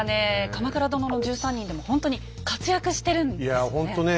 「鎌倉殿の１３人」でもほんとに活躍してるんですよね。